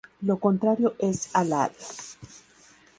Lo contrario es halal.